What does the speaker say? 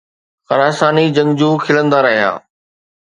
خراساني جنگجو کلندا رهيا.